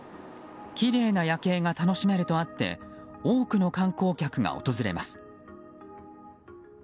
きれいな夜景が楽しめるとあって多くの観光客が訪れます。